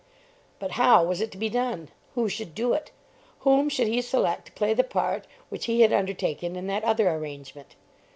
But how was it to be done? Who should do it? Whom should he select to play the part which he had undertaken in that other arrangement?